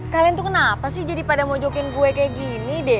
kalian tuh kenapa sih jadi pada mojokin gue kayak gini deh